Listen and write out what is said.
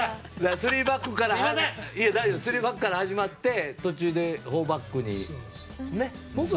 ３バックから始まって途中で４バックにするとか。